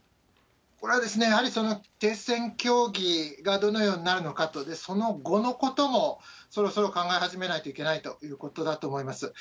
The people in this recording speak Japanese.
これはやはり、停戦協議がどのようになるのか、その後のこともそれを考え始めないといけないということだと思います。